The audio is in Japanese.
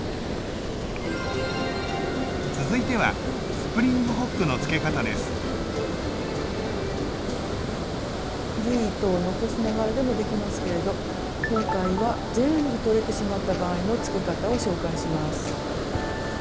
続いては古い糸を残しながらでもできますけれど今回は全部取れてしまった場合のつけ方を紹介します。